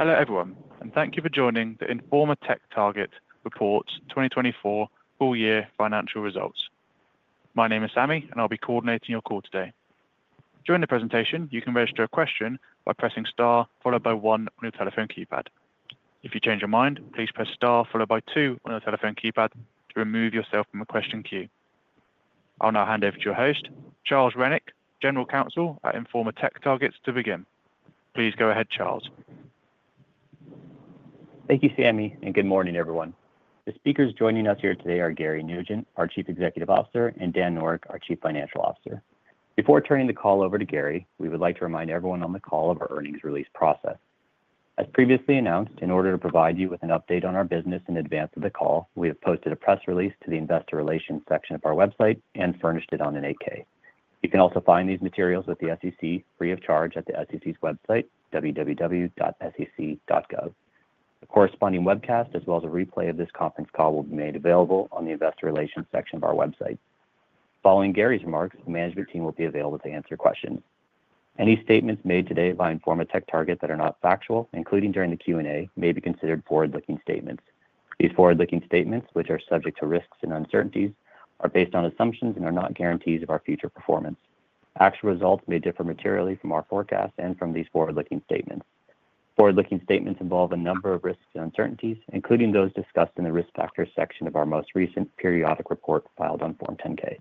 Hello everyone, and thank you for joining the Informa TechTarget report's 2024 full-year financial results. My name is Sammy, and I'll be coordinating your call today. During the presentation, you can register a question by pressing star followed by one on your telephone keypad. If you change your mind, please press star followed by two on your telephone keypad to remove yourself from the question queue. I'll now hand over to your host, Charles Rennick, General Counsel at Informa TechTarget, to begin. Please go ahead, Charles. Thank you, Sammy, and good morning, everyone. The speakers joining us here today are Gary Nugent, our Chief Executive Officer, and Dan Noreck, our Chief Financial Officer. Before turning the call over to Gary, we would like to remind everyone on the call of our earnings release process. As previously announced, in order to provide you with an update on our business in advance of the call, we have posted a press release to the Investor Relations section of our website and furnished it on an 8-K. You can also find these materials with the SEC free of charge at the SEC's website, www.sec.gov. The corresponding webcast, as well as a replay of this conference call, will be made available on the Investor Relations section of our website. Following Gary's remarks, the management team will be available to answer questions. Any statements made today by Informa TechTarget that are not factual, including during the Q&A, may be considered forward-looking statements. These forward-looking statements, which are subject to risks and uncertainties, are based on assumptions and are not guarantees of our future performance. Actual results may differ materially from our forecasts and from these forward-looking statements. Forward-looking statements involve a number of risks and uncertainties, including those discussed in the risk factors section of our most recent periodic report filed on Form 10-K.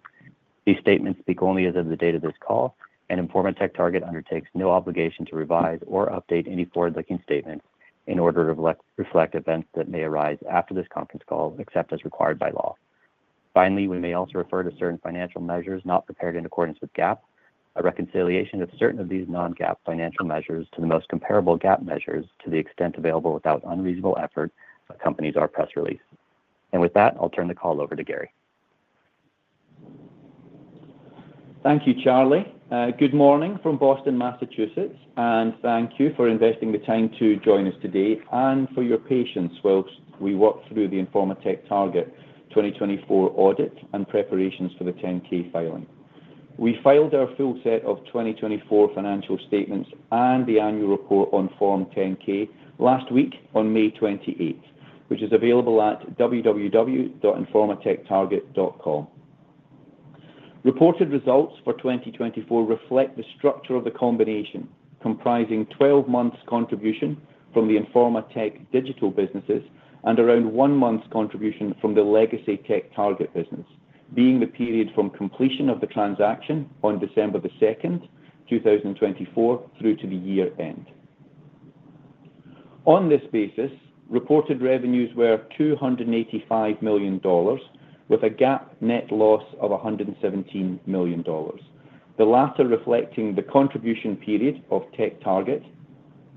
These statements speak only as of the date of this call, and Informa TechTarget undertakes no obligation to revise or update any forward-looking statements in order to reflect events that may arise after this conference call, except as required by law. Finally, we may also refer to certain financial measures not prepared in accordance with GAAP. A reconciliation of certain of these non-GAAP financial measures to the most comparable GAAP measures, to the extent available without unreasonable effort, accompanies our press release. With that, I'll turn the call over to Gary. Thank you, Charlie. Good morning from Boston, Massachusetts, and thank you for investing the time to join us today and for your patience while we work through the Informa TechTarget 2024 audit and preparations for the 10-K filing. We filed our full set of 2024 financial statements and the annual report on Form 10-K last week on May 28th, which is available at www.informatechtarget.com. Reported results for 2024 reflect the structure of the combination comprising 12 months' contribution from the Informa Tech digital businesses and around one month's contribution from the legacy TechTarget business, being the period from completion of the transaction on December the 2nd, 2024, through to the year end. On this basis, reported revenues were $285 million, with a GAAP net loss of $117 million, the latter reflecting the contribution period of TechTarget,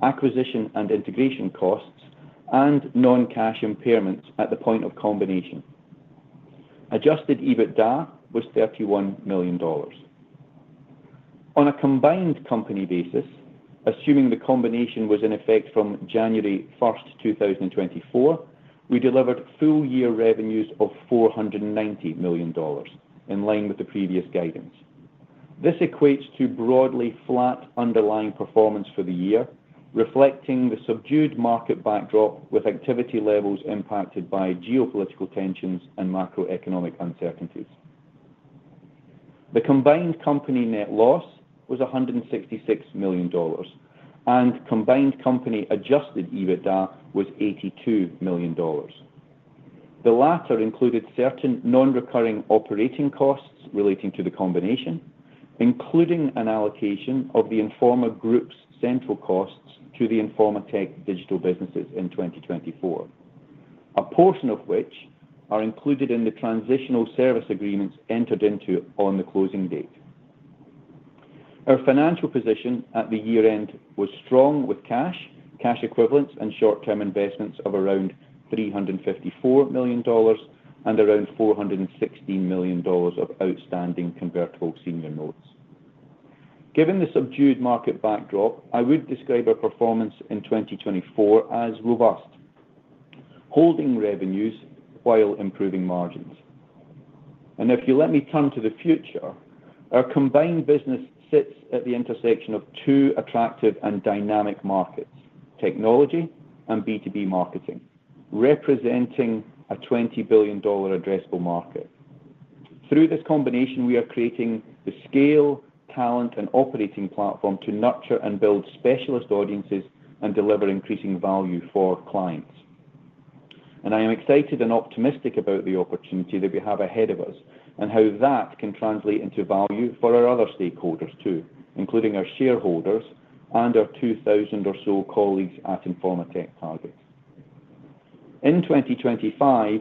acquisition and integration costs, and non-cash impairments at the point of combination. Adjusted EBITDA was $31 million. On a combined company basis, assuming the combination was in effect from January 1, 2024, we delivered full-year revenues of $490 million, in line with the previous guidance. This equates to broadly flat underlying performance for the year, reflecting the subdued market backdrop with activity levels impacted by geopolitical tensions and macroeconomic uncertainties. The combined company net loss was $166 million, and combined company adjusted EBITDA was $82 million. The latter included certain non-recurring operating costs relating to the combination, including an allocation of the Informa Group's central costs to the Informa Tech digital businesses in 2024, a portion of which are included in the transitional service agreements entered into on the closing date. Our financial position at the year end was strong with cash, cash equivalents, and short-term investments of around $354 million and around $416 million of outstanding convertible senior notes. Given the subdued market backdrop, I would describe our performance in 2024 as robust, holding revenues while improving margins. If you let me turn to the future, our combined business sits at the intersection of two attractive and dynamic markets, technology and B2B marketing, representing a $20 billion addressable market. Through this combination, we are creating the scale, talent, and operating platform to nurture and build specialist audiences and deliver increasing value for clients. I am excited and optimistic about the opportunity that we have ahead of us and how that can translate into value for our other stakeholders too, including our shareholders and our 2,000 or so colleagues at Informa TechTarget. In 2025,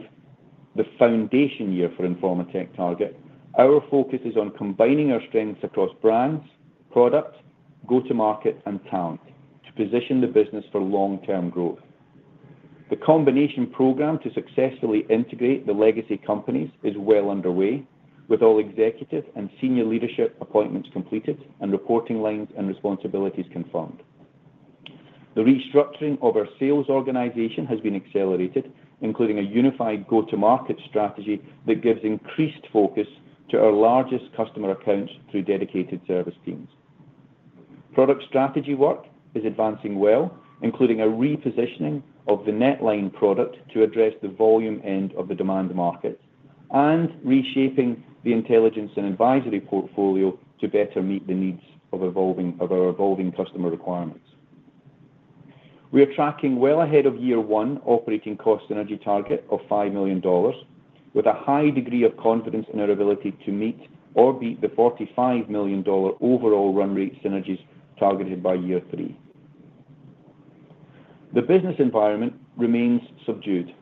the foundation year for Informa TechTarget, our focus is on combining our strengths across brands, product, go-to-market, and talent to position the business for long-term growth. The combination program to successfully integrate the legacy companies is well underway, with all executive and senior leadership appointments completed and reporting lines and responsibilities confirmed. The restructuring of our sales organization has been accelerated, including a unified go-to-market strategy that gives increased focus to our largest customer accounts through dedicated service teams. Product strategy work is advancing well, including a repositioning of the NetLine product to address the volume end of the demand markets and reshaping the intelligence and advisory portfolio to better meet the needs of our evolving customer requirements. We are tracking well ahead of year one operating cost synergy target of $5 million, with a high degree of confidence in our ability to meet or beat the $45 million overall run rate synergies targeted by year three. The business environment remains subdued,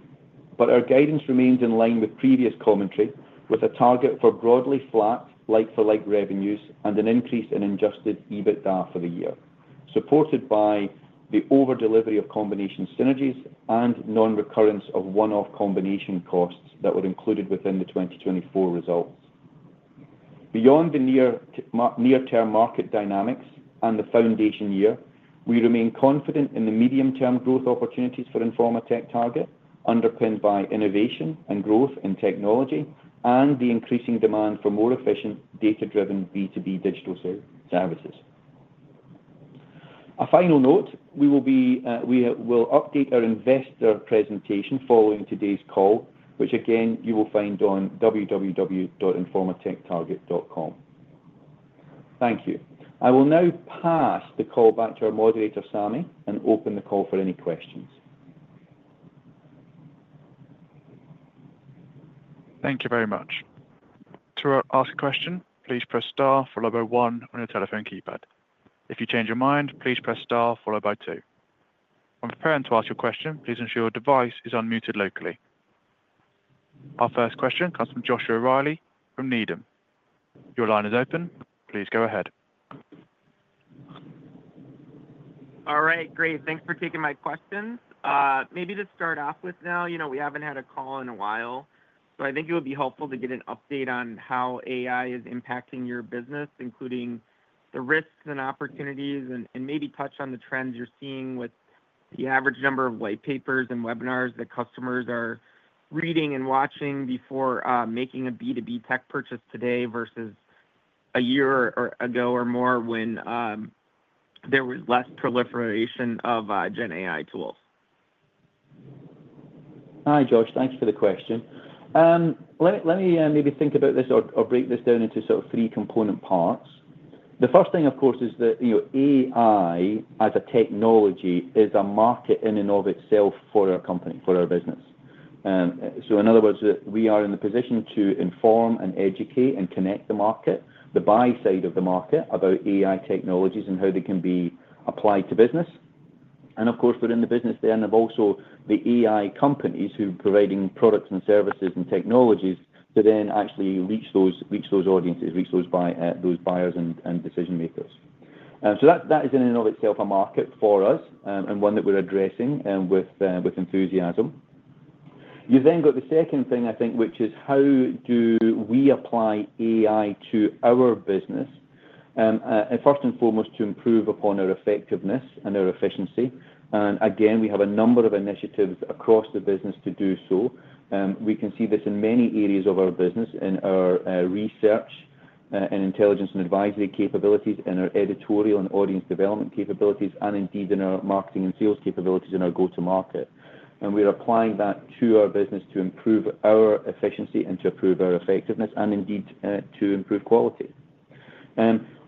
but our guidance remains in line with previous commentary, with a target for broadly flat like-for-like revenues and an increase in Adjusted EBITDA for the year, supported by the overdelivery of combination synergies and non-recurrence of one-off combination costs that were included within the 2024 results. Beyond the near-term market dynamics and the foundation year, we remain confident in the medium-term growth opportunities for Informa TechTarget, underpinned by innovation and growth in technology and the increasing demand for more efficient, data-driven B2B digital services. A final note, we will update our investor presentation following today's call, which again, you will find on www.informatechtarget.com. Thank you. I will now pass the call back to our moderator, Sammy, and open the call for any questions. Thank you very much. To ask a question, please press star followed by one on your telephone keypad. If you change your mind, please press star followed by two. When preparing to ask your question, please ensure your device is unmuted locally. Our first question comes from Joshua Riley from Needham. Your line is open. Please go ahead. All right, great. Thanks for taking my questions. Maybe to start off with now, we haven't had a call in a while, so I think it would be helpful to get an update on how AI is impacting your business, including the risks and opportunities, and maybe touch on the trends you're seeing with the average number of white papers and webinars that customers are reading and watching before making a B2B tech purchase today versus a year ago or more when there was less proliferation of Gen AI tools. Hi, Josh. Thanks for the question. Let me maybe think about this or break this down into three component parts. The first thing, of course, is that AI as a technology is a market in and of itself for our company, for our business. In other words, we are in the position to inform and educate and connect the market, the buy side of the market about AI technologies and how they can be applied to business. Of course, we're in the business there, and there's also the AI companies who are providing products and services and technologies to then actually reach those audiences, reach those buyers and decision-makers. That is in and of itself a market for us and one that we're addressing with enthusiasm. You've then got the second thing, I think, which is how do we apply AI to our business? First and foremost, to improve upon our effectiveness and our efficiency. Again, we have a number of initiatives across the business to do so. We can see this in many areas of our business, in our research and intelligence and advisory capabilities, in our editorial and audience development capabilities, and indeed in our marketing and sales capabilities and our go-to-market. We are applying that to our business to improve our efficiency and to improve our effectiveness and indeed to improve quality.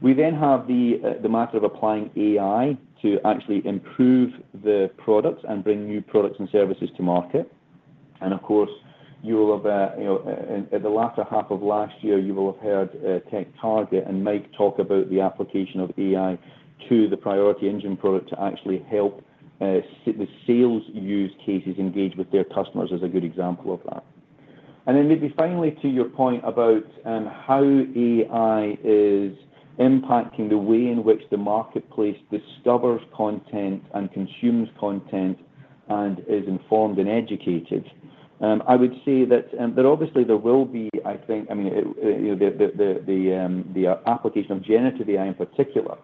We then have the matter of applying AI to actually improve the products and bring new products and services to market. Of course, you will have at the latter half of last year, you will have heard TechTarget and Mike talk about the application of AI to the Priority Engine product to actually help the sales use cases engage with their customers is a good example of that. Maybe finally, to your point about how AI is impacting the way in which the marketplace discovers content and consumes content and is informed and educated, I would say that obviously there will be, I think, I mean, the application of generative AI in particular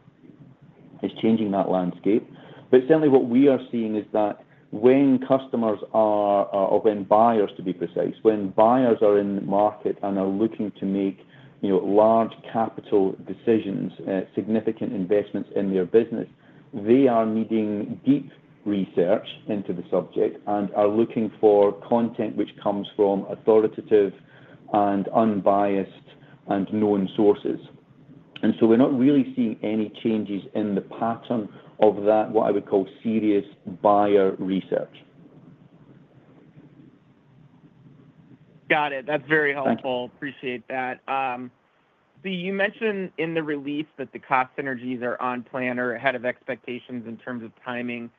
is changing that landscape. What we are seeing is that when customers are, or when buyers, to be precise, when buyers are in the market and are looking to make large capital decisions, significant investments in their business, they are needing deep research into the subject and are looking for content which comes from authoritative and unbiased and known sources. We are not really seeing any changes in the pattern of that, what I would call serious buyer research. Got it. That's very helpful. Appreciate that. You mentioned in the release that the cost synergies are on plan or ahead of expectations in terms of timing.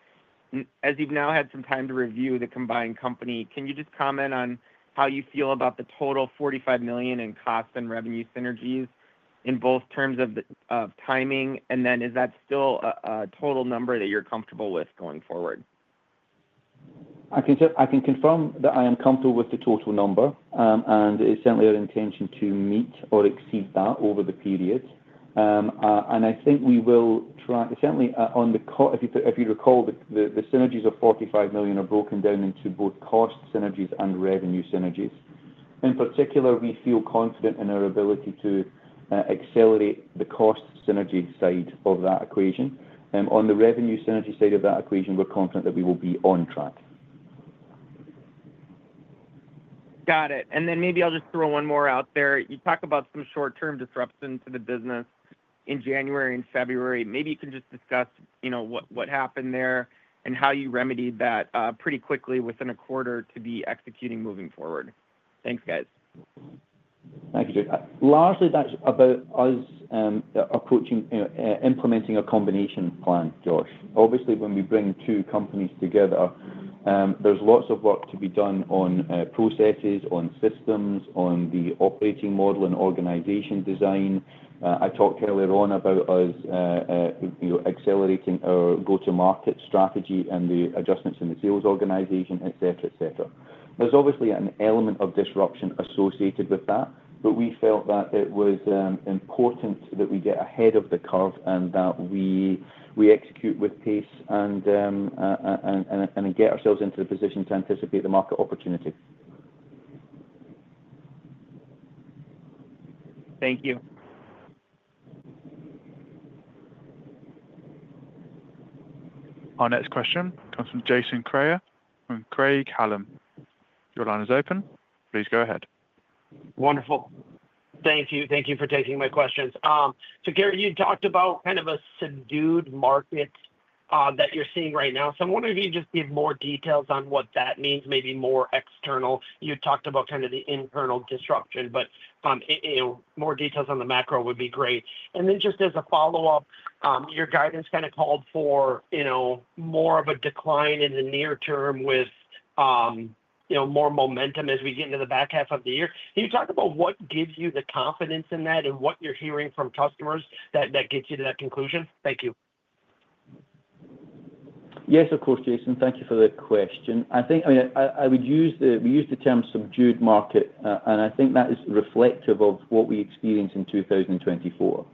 As you've now had some time to review the combined company, can you just comment on how you feel about the total $45 million in cost and revenue synergies in both terms of timing? Is that still a total number that you're comfortable with going forward? I can confirm that I am comfortable with the total number, and it's certainly our intention to meet or exceed that over the period. I think we will try certainly on the cost, if you recall, the synergies of $45 million are broken down into both cost synergies and revenue synergies. In particular, we feel confident in our ability to accelerate the cost synergy side of that equation. On the revenue synergy side of that equation, we're confident that we will be on track. Got it. Maybe I'll just throw one more out there. You talk about some short-term disruption to the business in January and February. Maybe you can just discuss what happened there and how you remedied that pretty quickly within a quarter to be executing moving forward. Thanks, guys. Thank you. Lastly, that's about us approaching implementing a combination plan, Josh. Obviously, when we bring two companies together, there's lots of work to be done on processes, on systems, on the operating model and organization design. I talked earlier on about us accelerating our go-to-market strategy and the adjustments in the sales organization, etc., etc. There's obviously an element of disruption associated with that, but we felt that it was important that we get ahead of the curve and that we execute with pace and get ourselves into the position to anticipate the market opportunity. Thank you. Our next question comes from Jason Kreyer of Craig-Hallum. Your line is open. Please go ahead. Wonderful. Thank you. Thank you for taking my questions. Gary, you talked about kind of a subdued market that you're seeing right now. I'm wondering if you could just give more details on what that means, maybe more external. You talked about kind of the internal disruption, but more details on the macro would be great. Just as a follow-up, your guidance kind of called for more of a decline in the near term with more momentum as we get into the back half of the year. Can you talk about what gives you the confidence in that and what you're hearing from customers that gets you to that conclusion? Thank you. Yes, of course, Jason. Thank you for the question. I mean, we use the term subdued market, and I think that is reflective of what we experienced in 2024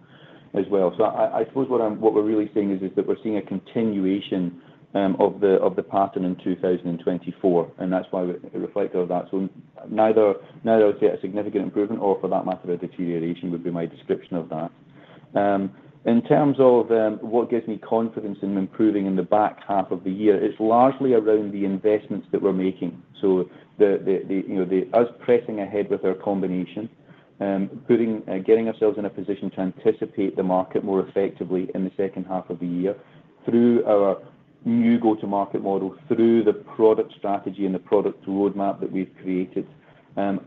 as well. I suppose what we're really seeing is that we're seeing a continuation of the pattern in 2024, and that's why we're reflective of that. Neither, I would say, a significant improvement or, for that matter, a deterioration would be my description of that. In terms of what gives me confidence in improving in the back half of the year, it's largely around the investments that we're making. Us pressing ahead with our combination, getting ourselves in a position to anticipate the market more effectively in the second half of the year through our new go-to-market model, through the product strategy and the product roadmap that we've created, and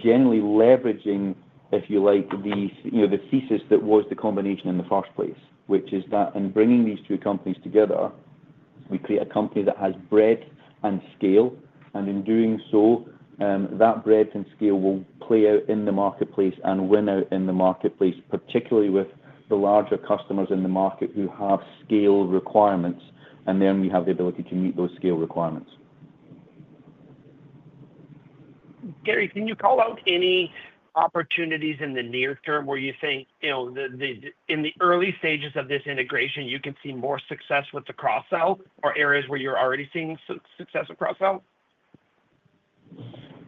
generally leveraging, if you like, the thesis that was the combination in the first place, which is that in bringing these two companies together, we create a company that has breadth and scale. In doing so, that breadth and scale will play out in the marketplace and win out in the marketplace, particularly with the larger customers in the market who have scale requirements, and then we have the ability to meet those scale requirements. Gary, can you call out any opportunities in the near term where you think in the early stages of this integration, you can see more success with the cross-sell or areas where you're already seeing success with cross-sell?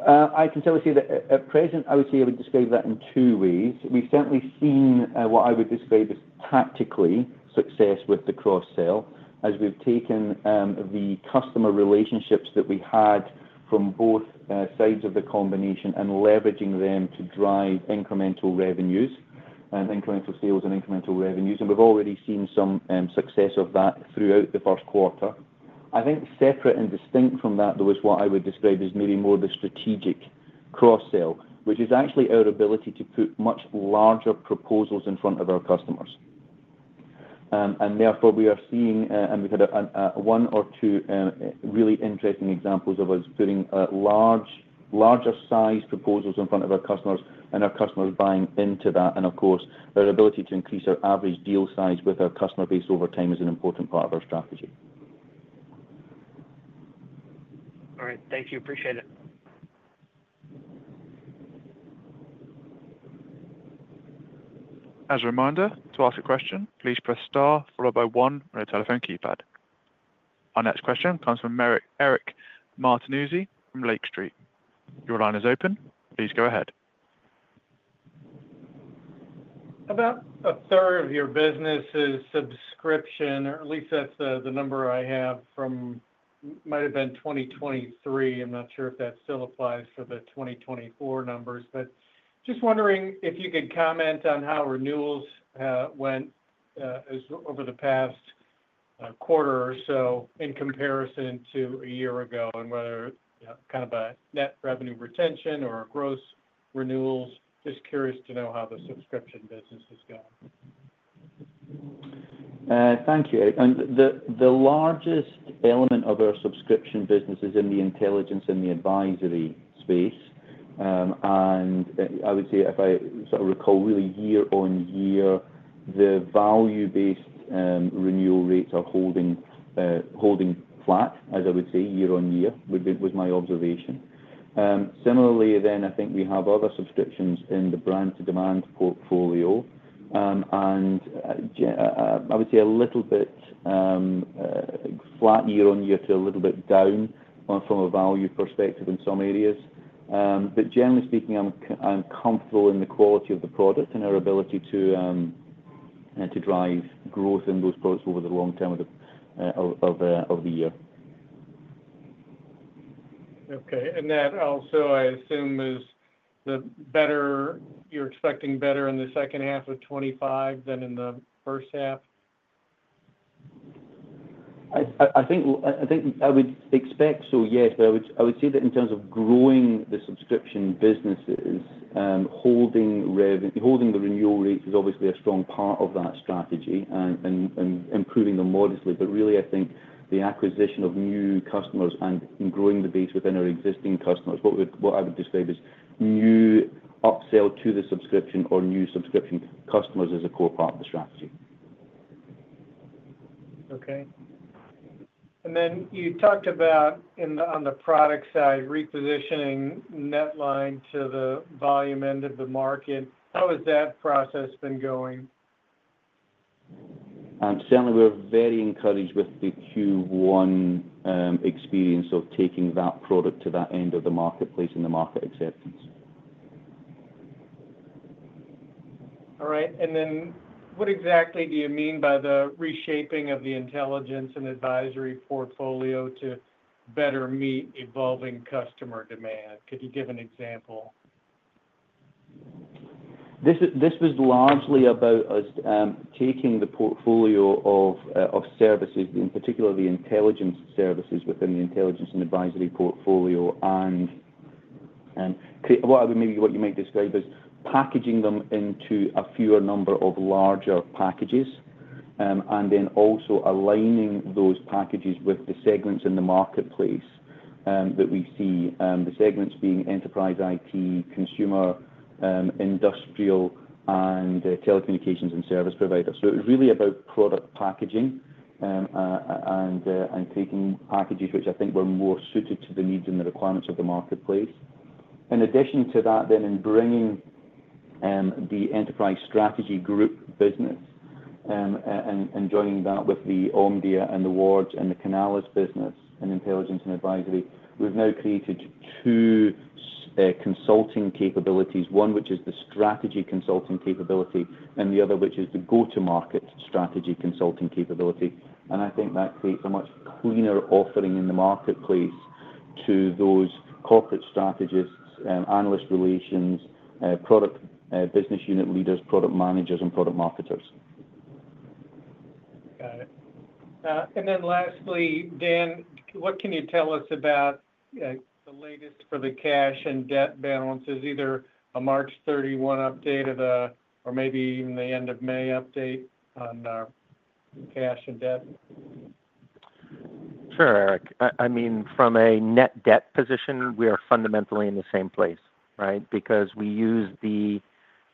I can certainly see that at present, I would say I would describe that in two ways. We've certainly seen what I would describe as tactical success with the cross-sell as we've taken the customer relationships that we had from both sides of the combination and leveraging them to drive incremental revenues and incremental sales and incremental revenues. We've already seen some success of that throughout the first quarter. I think separate and distinct from that, though, is what I would describe as maybe more the strategic cross-sell, which is actually our ability to put much larger proposals in front of our customers. Therefore, we are seeing and we've had one or two really interesting examples of us putting larger-sized proposals in front of our customers, and our customers buying into that. Our ability to increase our average deal size with our customer base over time is an important part of our strategy. All right. Thank you. Appreciate it. As a reminder, to ask a question, please press star followed by one on your telephone keypad. Our next question comes from Eric Martinuzzi from Lake Street. Your line is open. Please go ahead. About a third of your business is subscription, or at least that's the number I have from might have been 2023. I'm not sure if that still applies for the 2024 numbers, but just wondering if you could comment on how renewals went over the past quarter or so in comparison to a year ago and whether kind of a net revenue retention or gross renewals. Just curious to know how the subscription business has gone. Thank you. The largest element of our subscription business is in the intelligence and the advisory space. I would say, if I sort of recall really year on year, the value-based renewal rates are holding flat, as I would say, year on year, was my observation. Similarly, I think we have other subscriptions in the brand-to-demand portfolio, and I would say a little bit flat year on year to a little bit down from a value perspective in some areas. Generally speaking, I'm comfortable in the quality of the product and our ability to drive growth in those products over the long term of the year. Okay. That also, I assume, is that you're expecting better in the second half of 2025 than in the first half? I think I would expect so, yes. I would say that in terms of growing the subscription businesses, holding the renewal rates is obviously a strong part of that strategy and improving them modestly. Really, I think the acquisition of new customers and growing the base within our existing customers, what I would describe as new upsell to the subscription or new subscription customers, is a core part of the strategy. Okay. You talked about, on the product side, repositioning NetLine to the volume end of the market. How has that process been going? Certainly, we're very encouraged with the Q1 experience of taking that product to that end of the marketplace and the market acceptance. All right. What exactly do you mean by the reshaping of the Intelligence and Advisory Portfolio to better meet evolving customer demand? Could you give an example? This was largely about us taking the portfolio of services, in particular, the intelligence services within the Intelligence and Advisory Portfolio, and maybe what you might describe as packaging them into a fewer number of larger packages, and then also aligning those packages with the segments in the marketplace that we see, the segments being enterprise IT, consumer, industrial, and telecommunications and service providers. It was really about product packaging and taking packages which I think were more suited to the needs and the requirements of the marketplace. In addition to that, then in bringing the Enterprise Strategy Group business and joining that with the Omdia and the Ward and the Canalys business and Intelligence and Advisory, we have now created two consulting capabilities, one which is the strategy consulting capability and the other which is the go-to-market strategy consulting capability. I think that creates a much cleaner offering in the marketplace to those corporate strategists, analyst relations, product business unit leaders, product managers, and product marketers. Got it. And then lastly, Dan, what can you tell us about the latest for the cash and debt balances, either a March 31 update or maybe even the end of May update on cash and debt? Sure, Eric. I mean, from a net debt position, we are fundamentally in the same place, right? Because we used the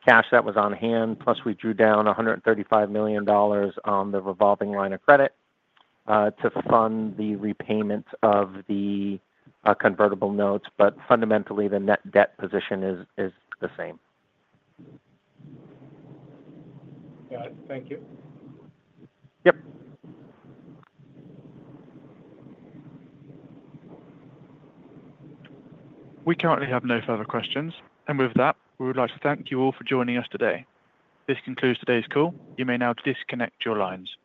cash that was on hand, plus we drew down $135 million on the revolving line of credit to fund the repayment of the convertible notes. Fundamentally, the net debt position is the same. Got it. Thank you. Yep. We currently have no further questions. With that, we would like to thank you all for joining us today. This concludes today's call. You may now disconnect your lines.